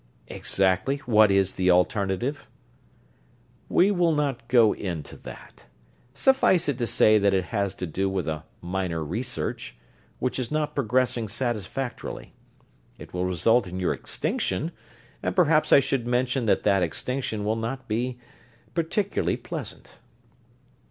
"Exactly what is the alternative?" "We will not go into that. Suffice it to say that it has to do with a minor research, which is not progressing satisfactorily. It will result in your extinction, and perhaps I should mention that that extinction will not be particularly pleasant."